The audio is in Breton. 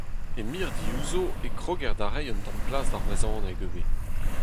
E mirdioù zo e kroger da reiñ un tamm plas d'ar brezhoneg ivez.